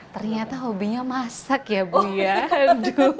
ternyata hobinya masak ya bu ya